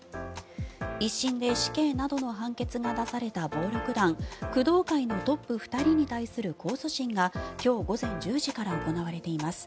１審で死刑などの判決が出された暴力団工藤会のトップ２人に対する控訴審が今日午前１０時から行われています。